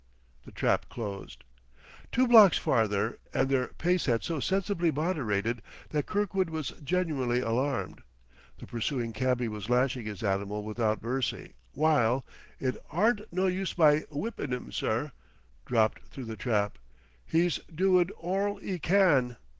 The trap closed. Two blocks farther, and their pace had so sensibly moderated that Kirkwood was genuinely alarmed. The pursuing cabby was lashing his animal without mercy, while, "It aren't no use my w'ippin' 'im, sir," dropped through the trap. "'E's doing orl 'e can."